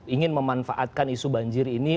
ingin memanfaatkan isu banjir ini